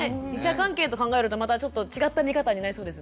関係と考えるとまたちょっと違った見方になりそうですね。